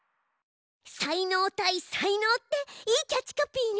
「才能対才能」っていいキャッチコピーね。